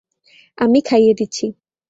আমি খাইয়ে দিচ্ছি।